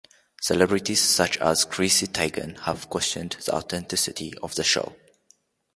Celebrities such as Chrissy Teigen have questioned the authenticity of the show.